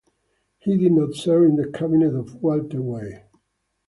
He did not serve in the cabinet of Walter Weir.